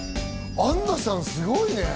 アンナさん、すごいね。